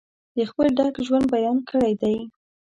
د خپل ډک ژوند بیان کړی دی.